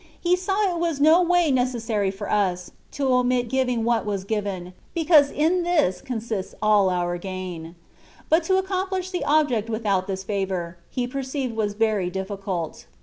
He saw it was in no way necessary for us, to omit griving what was given, because in this con sists all our gain. But to accomplish the object without this favour, He perceived was very diffi cult.